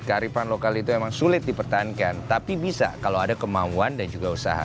kearifan lokal itu emang sulit dipertahankan tapi bisa kalau ada kemauan dan juga usaha